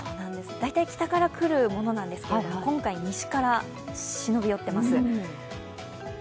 大体、北から来るものなんですが今回、西から忍び寄っています。